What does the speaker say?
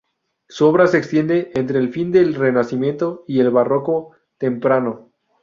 Su obra se extiende entre el fin del Renacimiento y el Barroco temprano.